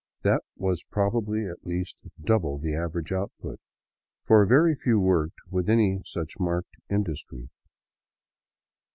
That was probably at least double the average output, for very few worked with any such marked in dustry.